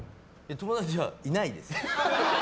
友達はいないです。